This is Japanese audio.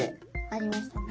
ありましたね。